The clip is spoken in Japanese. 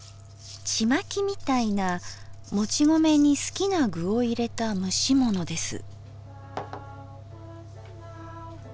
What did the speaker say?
ちまきみたいなもち米に好きな具を入れた蒸し物です